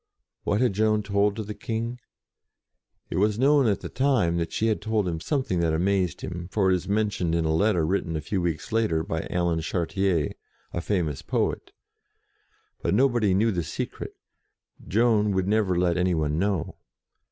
What had Joan told to the King? It was known at the time that she had told him something that amazed him, for it is men tioned in a letter written a few weeks later by Alan Chartier, a famous poet. But no body knew the secret: Joan would never let any one know.